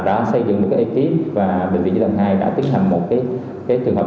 đã xây dựng một cái ekip và bệnh viện di đồng hai đã tiến hành một cái trường hợp